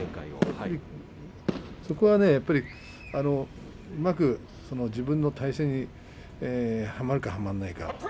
そこはねうまく自分の体勢にはまるか、はまらないか。